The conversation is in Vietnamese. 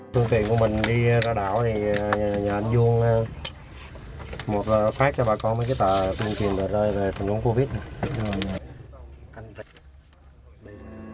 tuyên truyền của mình đi ra đảo thì nhờ anh duong phát cho bà con cái tờ tuyên truyền về rơi về thành phố covid